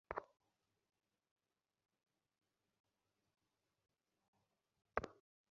বিদ্যুৎ-সংযোগের ক্ষেত্রে সাবধানতা মেনে চললে ইস্তিরি করা খুব কঠিন কিছু নয়।